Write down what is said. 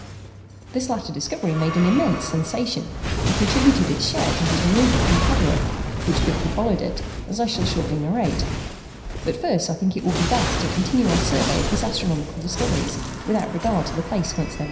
This latter discovery made an immense sensation, and contributed its share to his removal from Padua, which quickly followed it, as I shall shortly narrate; but first I think it will be best to continue our survey of his astronomical discoveries without regard to the place whence they were made.